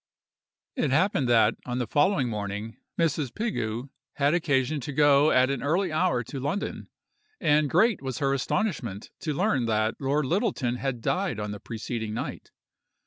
It happened that, on the following morning, Mrs. Pigou had occasion to go at an early hour to London, and great was her astonishment to learn that Lord Littleton had died on the preceding night.